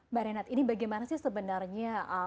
mbak renat ini bagaimana sih sebenarnya